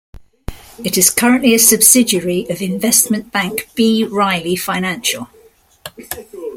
It is currently a subsidiary of investment bank B. Riley Financial.